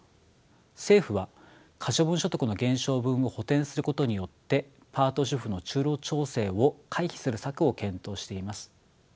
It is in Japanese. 政府は可処分所得の減少分を補填することによってパート主婦の就労調整を回避する策を検討しています。